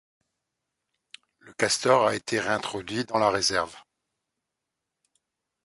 Le castor a été réintroduit dans la réserve.